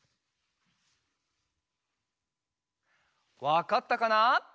わかったかな？